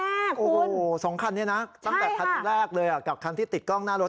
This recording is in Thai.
โอ้โหสองคันนี้นะตั้งแต่คันแรกเลยกับคันที่ติดกล้องหน้ารถ